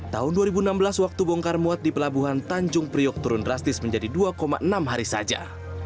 tahun dua ribu enam belas waktu bongkar muat di pelabuhan tanjung priok turun drastis menjadi dua enam hari saja